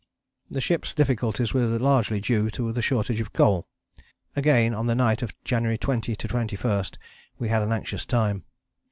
" The ship's difficulties were largely due to the shortage of coal. Again on the night of January 20 21 we had an anxious time.